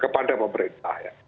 kepada pemerintah ya